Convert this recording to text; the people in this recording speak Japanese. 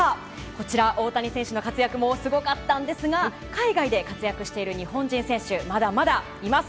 こちら、大谷選手の活躍もすごかったんですが海外で活躍している日本人選手まだまだいます。